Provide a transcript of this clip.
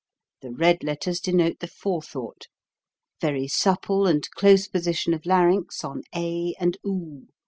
The red letters denote the forethought. Very supple and close position of larynx on a and 66.